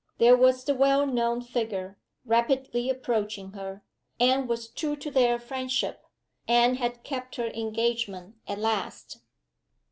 There was the well known figure, rapidly approaching her! Anne was true to their friendship Anne had kept her engagement at last!